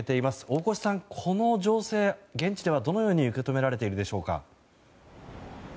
大越さん、この情勢現地ではどのように受け止められているでしょうか。